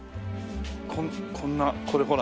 こんなこれほら。